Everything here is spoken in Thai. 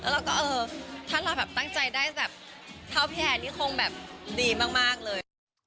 เราก็เออถ้าเราแบบตั้งใจได้แบบเท่าพี่แอนนี่คงแบบดีมากเลย